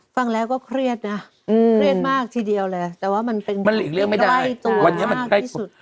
ฟังแล้วก็เครียดไงเครียดมากทีเดียวแล้วแต่ว่ามันเป็นอีกที่ใกล้หลายตัวมากที่สุด